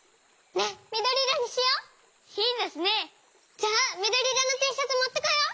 じゃあみどりいろのティーシャツもってこよう！